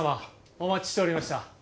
お待ちしておりました。